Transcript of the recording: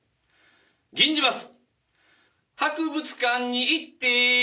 「吟じます」